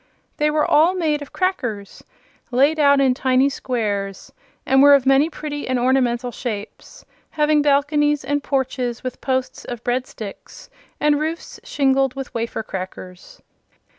They were all made of crackers laid out in tiny squares, and were of many pretty and ornamental shapes, having balconies and porches with posts of bread sticks and roofs shingled with wafer crackers.